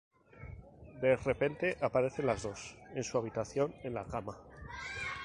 De repente aparecen las dos en su habitación, en la cama.